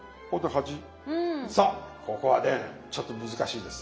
さあここはねちょっと難しいです。